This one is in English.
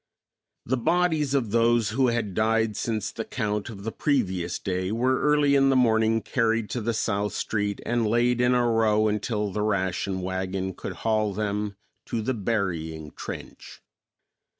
The bodies of those who had died since the count of the previous day were early in the morning carried to the south street and laid in a row until the ration wagon could haul them to the burying trench.